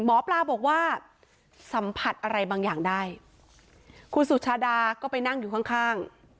หมอปลาบอกว่าสัมผัสอะไรบางอย่างได้คุณสุชาดาก็ไปนั่งอยู่ข้างข้าง